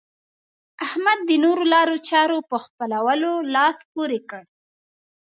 احمد د نورو لارو چارو په خپلولو لاس پورې کړ.